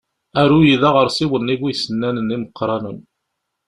Aruy d aɣersiw-nni bu isennanen imeqqranen.